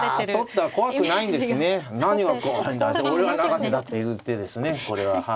俺は永瀬だっていう手ですねこれは。